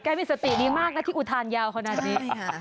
มีสติดีมากนะที่อุทานยาวขนาดนี้